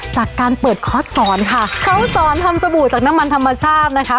จากการเปิดคอร์สสอนค่ะเขาสอนทำสบู่จากน้ำมันธรรมชาตินะคะ